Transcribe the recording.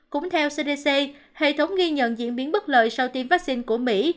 cũng theo cdc hệ thống ghi nhận diễn biến bất lợi sau tiêm vaccine của mỹ